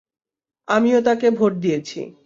আমিও তাকে ভোট দিয়েছি।